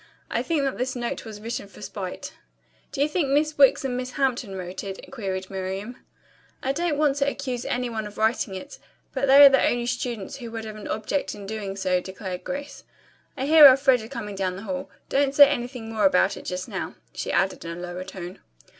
I think that this note was written for spite." "Do you think Miss Wicks and Miss Hampton wrote it?" queried Miriam. "I don't want to accuse any one of writing it, but they are the only students who would have an object in doing so," declared Grace. "I hear Elfreda coming down the hall. Don't say anything more about it just now," she added in a lower tone.